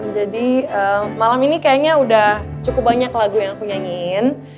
jadi malam ini kayaknya udah cukup banyak lagu yang aku nyanyiin